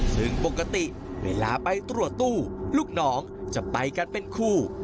ซึ่งปกติเวลาไปตรวจตู้ลูกน้องจะไปกันเป็นคู่